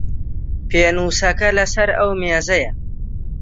پێنووسەکە لە سەر ئەو مێزەیە.